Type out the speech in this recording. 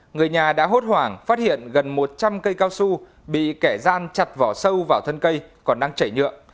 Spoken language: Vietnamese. người nhà đã hốt hoảng phát hiện gần một trăm linh cây cao su bị kẻ gian chặt vỏ sâu vào thân cây còn đang chảy nhựa